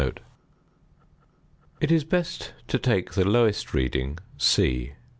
It is best to take the lowest reading C.